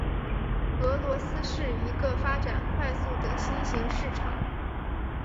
俄罗斯是一个发展快速的新型市场。